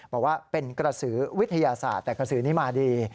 บอกว่าเป็นกระสือวิทยาศาสตร์แต่กระสือนี้มาดี